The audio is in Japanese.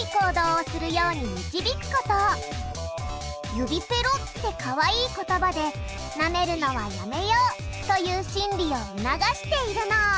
「指ペロ」ってかわいい言葉でなめるのはやめようという心理を促しているの。